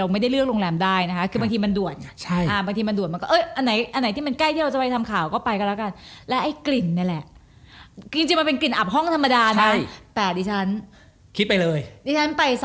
ไม่มีหรอกผี